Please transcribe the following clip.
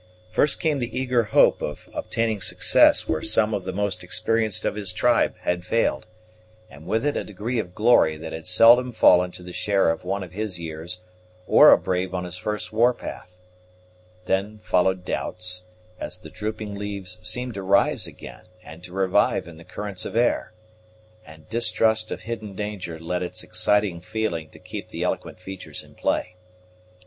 First came the eager hope of obtaining success where some of the most experienced of his tribe had failed, and with it a degree of glory that had seldom fallen to the share of one of his years or a brave on his first war path; then followed doubts, as the drooping leaves seemed to rise again and to revive in the currents of air; and distrust of hidden danger lent its exciting feeling to keep the eloquent features in play.